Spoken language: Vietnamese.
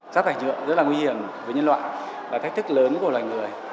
rác thải nhựa rất là nguy hiểm với nhân loại là thách thức lớn của một loài người